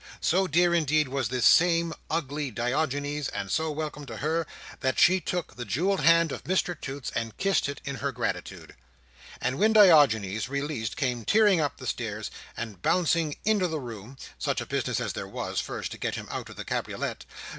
So dear, indeed, was this same ugly Diogenes, and so welcome to her, that she took the jewelled hand of Mr Toots and kissed it in her gratitude. And when Diogenes, released, came tearing up the stairs and bouncing into the room (such a business as there was, first, to get him out of the cabriolet!)